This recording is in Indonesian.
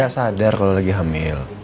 saya sadar kalau lagi hamil